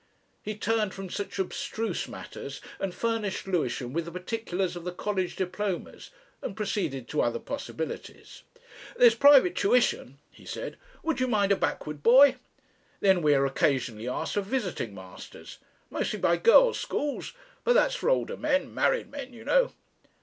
He turned from such abstruse matters and furnished Lewisham with the particulars of the college diplomas, and proceeded to other possibilities. "There's private tuition," he said. "Would you mind a backward boy? Then we are occasionally asked for visiting masters. Mostly by girls' schools. But that's for older men married men, you know."